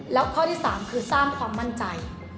แล้วข้อที่๓คือสร้างความมั่นใจ